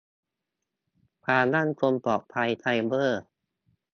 ความมั่นคงปลอดภัยไซเบอร์